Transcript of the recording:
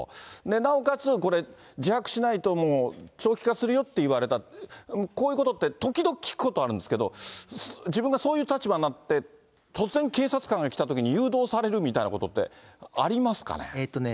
なおかつ、これ、自白しないと長期化するよと言われた、こういうことって、時々聞くことあるんですけど、自分がそういう立場になって、突然、警察官が来たときに誘導されるみたいなことって、ありますかね。